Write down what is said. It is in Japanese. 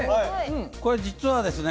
これ実はですね